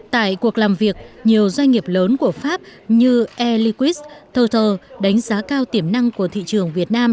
tại cuộc làm việc nhiều doanh nghiệp lớn của pháp như air liquids total đánh giá cao tiềm năng của thị trường việt nam